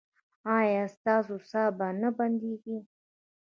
ایا ستاسو ساه به نه بندیږي؟